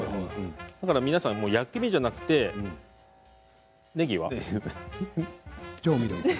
だから皆さん、薬味じゃなくてねぎは。